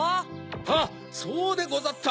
あっそうでござった！